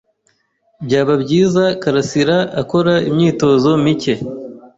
Byaba byiza Karasiraakora imyitozo mike.